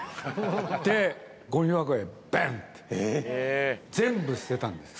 でゴミ箱へバン！って全部捨てたんです。